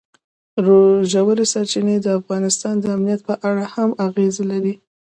ژورې سرچینې د افغانستان د امنیت په اړه هم اغېز لري.